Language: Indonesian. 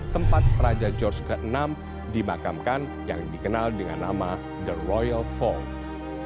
tempat raja george vi dimakamkan yang dikenal dengan nama the royal forbes